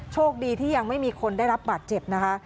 โชคดีที่ยังไม่มีคนได้รับบาดเจ็บนะคะ